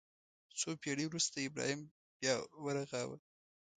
څو پېړۍ وروسته ابراهیم بیا ورغاوه.